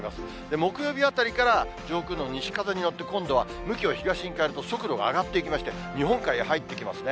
木曜日あたりから上空の西風に乗って、今度は向きを東に変えると、速度が上がっていきまして、日本海へ入ってきますね。